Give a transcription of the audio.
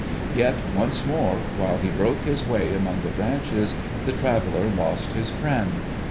Yet, once more, while he broke his way among the branches, the traveller lost his friend.